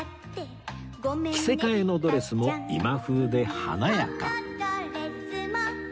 着せ替えのドレスも今風で華やか！